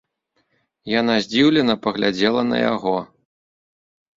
Яна здзіўлена паглядзела на яго.